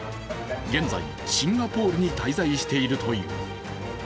現在、シンガポールに滞在しているという。